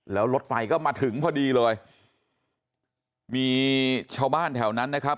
แล้วรถไฟก็มาถึงพอดีเลยมีชาวบ้านแถวนั้นนะครับ